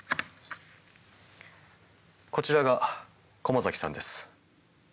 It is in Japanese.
こちらが駒崎さんです。